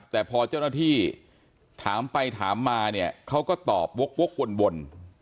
แต่พอเจ้าหน้าที่ถามไปถามมาเนี่ยเขาก็ตอบวกวน